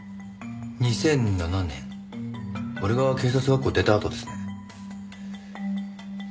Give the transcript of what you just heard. ２００７年俺が警察学校出たあとですね。